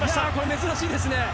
珍しいですね。